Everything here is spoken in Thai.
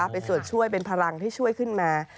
เป็นพลังที่ช่วยขึ้นมา